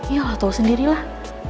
iya lah tau sendiri lah